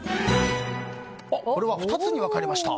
これは２つに分かれました。